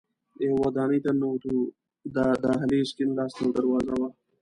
یوه ودانۍ ته ننوتو، د دهلېز کیڼ لاس ته یوه دروازه وه.